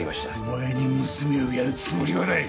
お前に娘をやるつもりはない！